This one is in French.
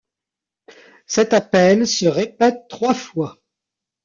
Cet appel se répète trois fois.